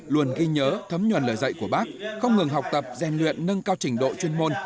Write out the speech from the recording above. luôn ghi nhớ thấm nhuần lời dạy của bác không ngừng học tập gian luyện nâng cao trình độ chuyên môn